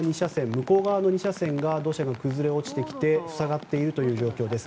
向こう側の２車線が土砂が崩れ落ちてきて塞がっているという状況です。